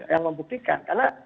yang membuktikan karena